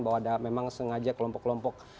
bahwa ada memang sengaja kelompok kelompok